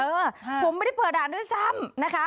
เออผมไม่ได้เปิดด่านด้วยซ้ำนะคะ